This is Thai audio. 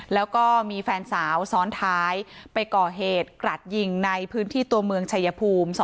แล้วก็มีแฟนสาวซ้อนท้ายไปก่อเหตุกรัดยิงในพื้นที่ตัวเมืองชายภูมิ